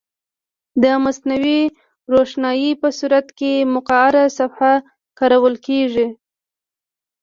د مصنوعي روښنایي په صورت کې مقعره صفحه کارول کیږي.